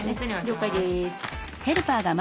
了解です。